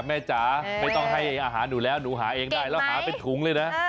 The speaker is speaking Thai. จ๋าไม่ต้องให้อาหารหนูแล้วหนูหาเองได้แล้วหาเป็นถุงเลยนะ